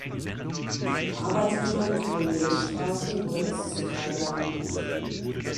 Arbeitgebern drohen Geldstrafen oder bis zu drei Jahren Haft.